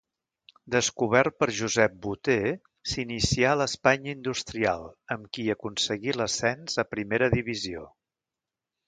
Descobert per Josep Boter, s'inicià a l'Espanya Industrial amb qui aconseguí l'ascens a primera divisió.